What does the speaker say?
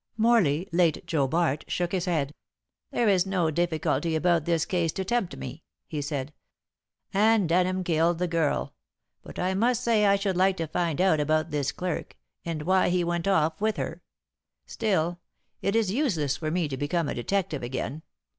Morley, late Joe Bart, shook his head. "There is no difficulty about this case to tempt me," he said. "Anne Denham killed the girl. But I must say I should like to find out about this clerk, and why he went off with her. Still, it is useless for me to become a detective again.